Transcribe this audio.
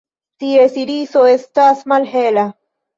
Ties iriso estas malhela.